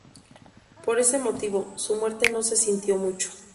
Por ese motivo, su muerte no se sintió mucho.